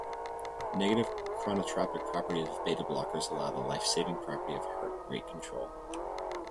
Negative chronotropic properties of beta blockers allow the lifesaving property of heart rate control.